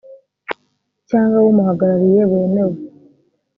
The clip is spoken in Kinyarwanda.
cyangwa w umuhagarariye wemewe